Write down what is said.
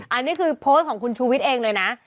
อันนี้คือโพสต์ของคุณชูวิทย์เองเลยนะ